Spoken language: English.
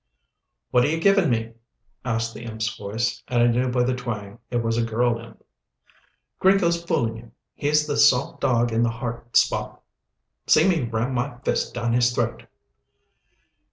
"What are you givin' me?" asked the imp's voice, and I knew by the twang it was a girl imp. "Gringo's foolin' you. He's the soft dog in the heart spot. See me ram my fist down his throat."